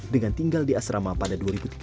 dengan tinggal di asrama pada dua ribu tiga belas